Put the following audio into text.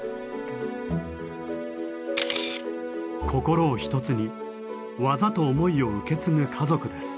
心を一つに技と思いを受け継ぐ家族です。